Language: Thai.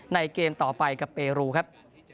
เกมต่อไปกับเปรูครับ